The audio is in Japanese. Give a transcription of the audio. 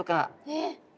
えっ？